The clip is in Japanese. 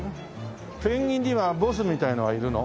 ペンギンにはボスみたいなのはいるの？